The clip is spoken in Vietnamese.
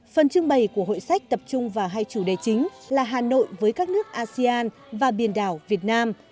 phần trưng bày của hội sách tập trung vào hai chủ đề chính là hà nội với các nước asean và biển đảo việt nam